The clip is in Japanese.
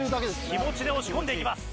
気持ちで押し込んでいきます。